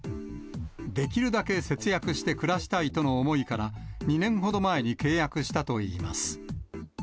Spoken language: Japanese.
できるだけ節約して暮らしたいとの思いから、２年ほど前に契約したといいます。